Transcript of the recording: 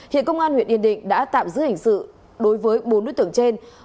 hiện công an huyện yên định đã tạm giữ hình sự đối với bốn đối tượng trên